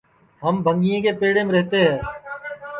ہم بھنٚگیں کے پیڑیم رہتے ہے